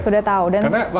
sudah tahu dan sudah suka ya